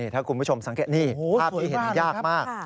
ถ้าคุณผู้ชมสังเกตนี่ภาพที่เห็นยากมาก